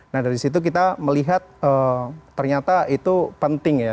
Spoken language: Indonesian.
nah dari situ kita melihat ternyata itu penting ya